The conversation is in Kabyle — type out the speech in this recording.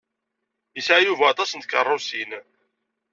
Yesɛa Yuba aṭas n tkeṛṛusin.